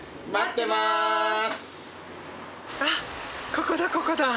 ここだここだ。